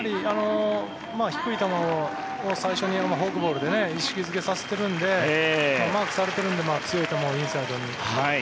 低い球を最初にフォークボールで意識付けさせているのでマークされているので強い球をインサイドに。